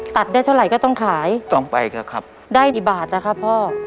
ได้เท่าไหร่ก็ต้องขายต้องไปเถอะครับได้กี่บาทนะครับพ่อ